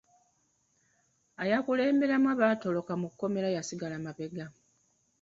Eyakulemberamu abaatoloka mu kkomera yasigala mabega.